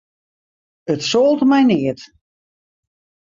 It soalt my neat.